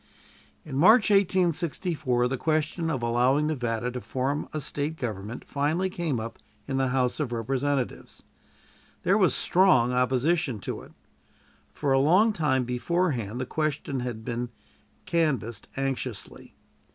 In March, 1864, the question of allowing Nevada to form a State government finally came up in the House of Representatives. There was strong opposition to it. For a long time beforehand the question had been canvassed anxiously.